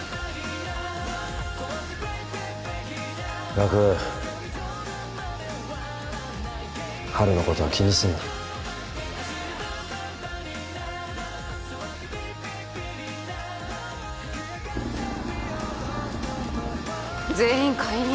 ガクハルのことは気にすんな全員解任？